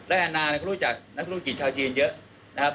แอนนาต้องรู้จักนักษ์ธุรกิจชาวจีนเยอะนะครับ